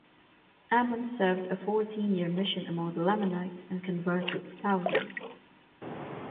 Ammon served a fourteen-year mission among the Lamanites and converted thousands.